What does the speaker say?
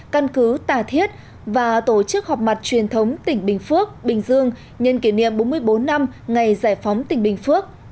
căn cứ tà thiết và tổ chức họp mặt truyền thống tỉnh bình phước bình dương nhân kỷ niệm bốn mươi bốn năm ngày giải phóng tỉnh bình phước